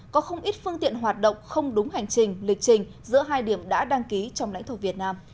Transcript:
có không ít phương tiện hoạt động không đúng hành trình lịch trình giữa hai điểm đã đăng ký trong lãnh thổ việt nam